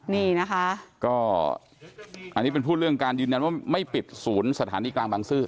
นี่นะคะก็อันนี้เป็นพูดเรื่องการยืนยันว่าไม่ปิดศูนย์สถานีกลางบางซื่อ